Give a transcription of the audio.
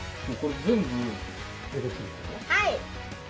はい。